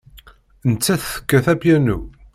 Nettat tekkat apyanu.